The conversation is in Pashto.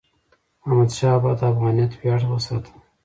احمدشاه بابا د افغانیت ویاړ وساته.